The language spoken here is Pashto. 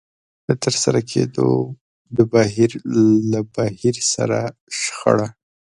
د ترسره کېدو د بهير له بهير سره شخړه.